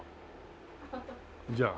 じゃあ。